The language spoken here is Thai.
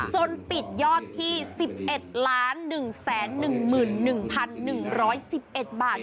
จนปิดยอดที่๑๑ล้าน๑แสน๑หมื่น๑พัน๑๑๑๑บาท